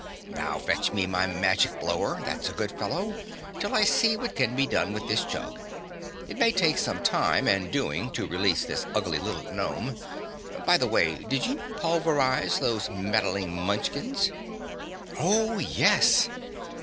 Now fetch me my magic blower, there's a good fellow, till I see what can be done with this jug. It may take some time and doing to release this ugly little gnome. By the way, did you pulverize those meddling Munchkins?" "Oh, yes!"